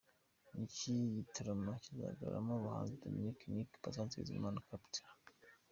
Iki gitaramo kizagaragaramo abahanzi Dominic Nic, Patient Bizimana, Capt.